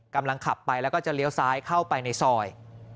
กำลังขับไปแล้วก็จะเลี้ยวซ้ายเข้าไปในซอย